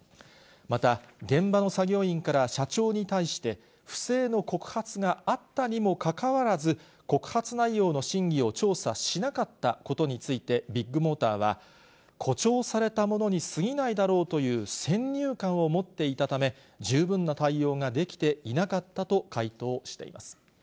また、現場の作業員から社長に対して、不正の告発があったにもかかわらず、告発内容の真偽を調査しなかったことについて、ビッグモーターは、誇張されたものにすぎないだろうという先入観を持っていたため、十分な対応ができていなかったと回答しています。